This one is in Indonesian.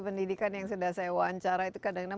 pendidikan yang sudah saya wawancara itu kadang kadang